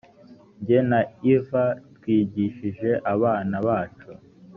jye na eva twigishije abana bacu